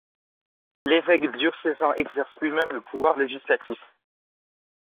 L'évêque diocésain exerce lui-même le pouvoir législatif.